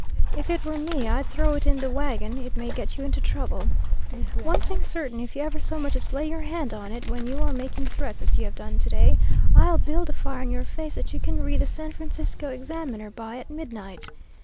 If it were me, I'd throw it in the wagon; it may get you into trouble. One thing certain, if you ever so much as lay your hand on it, when you are making threats as you have done to day, I'll build a fire in your face that you can read the San Francisco "Examiner" by at midnight.